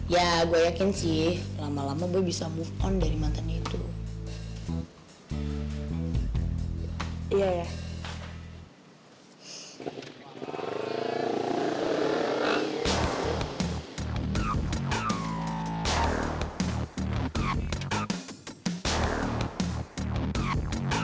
ya gue yakin sih lama lama boy bisa move on dari mantannya itu